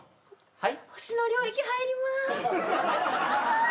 はい？